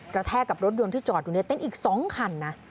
แทกกับรถยนต์ที่จอดอยู่ในเต็นต์อีก๒คันนะ